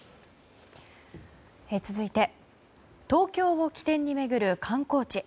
続いて東京を起点に巡る観光地。